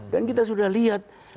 dan kita sudah lihat